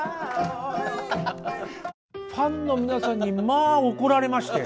ファンの皆さんにまあ怒られまして。